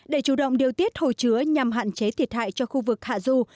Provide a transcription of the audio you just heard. để chủ động điều tiết hồ chứa nhằm hạn chế thiệt hại cho khu vực hạ du